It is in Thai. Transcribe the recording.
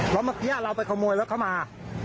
แล้วเมื่อกี้เราไปขโมยแล้วเข้ามา